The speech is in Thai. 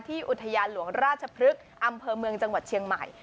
อุทยานหลวงราชพฤกษ์อำเภอเมืองจังหวัดเชียงใหม่